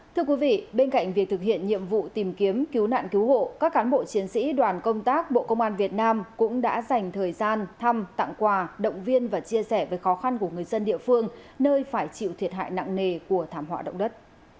thưa quý vị bên cạnh việc thực hiện nhiệm vụ tìm kiếm cứu nạn cứu hộ các cán bộ chiến sĩ đoàn công tác bộ công an việt nam cũng đã dành thời gian thăm tặng quà động viên và chia sẻ với khó khăn của người dân địa phương nơi phải chịu thiệt hại nặng nề của thảm họa động đất